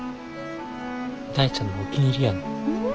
大ちゃんのお気に入りやねん。